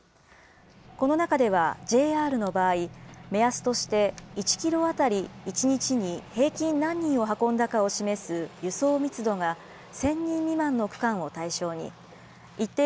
この中では、ＪＲの場合、目安として１キロ当たり１日に平均何人を運んだかを示す輸送密度が１０００人未満の区間を対象に、一定